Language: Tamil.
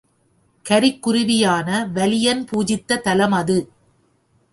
கரிக்குருவியான வலியன் பூஜித்த தலம் அது.